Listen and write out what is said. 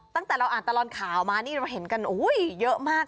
ตั้งแต่เราอ่านตลอดข่าวมานี่เราเห็นกันเยอะมาก